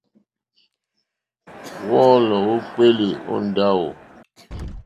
Wɔ́ɔ́lɔ̀ wókpéélì ó ndáwò.